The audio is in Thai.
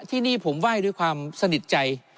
ที่นี่ผมไหว้ด้วยความสนิทใจ